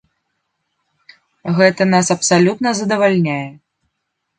Гэта нас абсалютна задавальняе.